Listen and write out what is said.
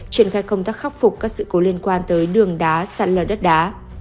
triển khai công tác khắc phục các sự cố liên quan tới đường đá sạt lở đất đá